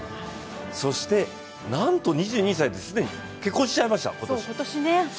そして、なんと２２歳で既に結婚しちゃいました、今年。